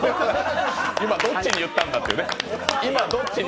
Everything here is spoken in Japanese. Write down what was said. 今、どっちに言ったんだっていうね。